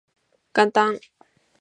元旦